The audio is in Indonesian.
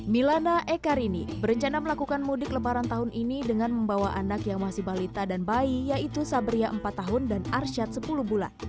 milana ekarini berencana melakukan mudik lebaran tahun ini dengan membawa anak yang masih balita dan bayi yaitu sabria empat tahun dan arsyad sepuluh bulan